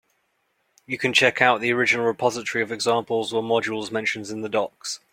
You can check out the original repository of examples or modules mentioned in the docs.